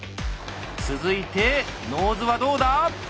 続いてノーズはどうだ？